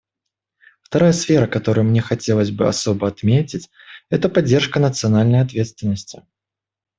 Вторая сфера, которую мне хотелось бы особо отметить, — это поддержка национальной ответственности.